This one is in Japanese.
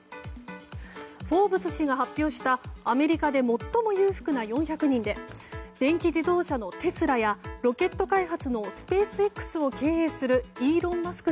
「フォーブス」誌が発表したアメリカで最も裕福な４００人で電気自動車のテスラやロケット開発のスペースＸを経営するイーロン・マスク